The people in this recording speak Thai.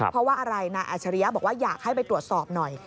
นายอัชริยะบอกว่าอยากให้ไปตรวจสอบหน่อย